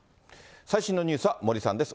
最新のニュースは森さんです。